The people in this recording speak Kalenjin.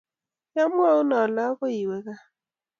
ki amwoun ale akoi iwe kaa